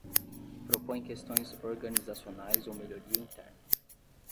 Propõe questões organizacionais ou melhoria interna.